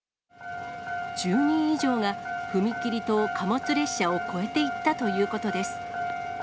１０人以上が、踏切と貨物列車を越えていったということです。